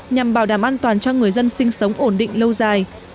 nhằm bảo đảm an toàn cho người dân sinh sống ổn định lâu dài